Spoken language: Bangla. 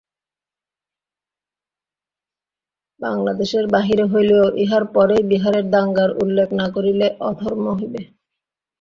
বাংলাদেশের বাহিরে হইলেও ইহার পরেই বিহারের দাঙ্গার উল্লেখ না করিলে অধর্ম হইবে।